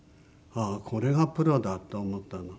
ああこれがプロだと思ったの。